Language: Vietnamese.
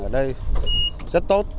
ở đây rất tốt